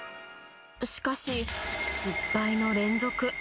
しかし、失敗の連続。